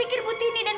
ibu sendiri mengingat